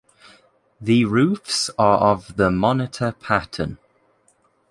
The roofs are of the monitor pattern.